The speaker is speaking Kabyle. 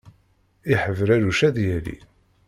Iḥebraruc ad yali.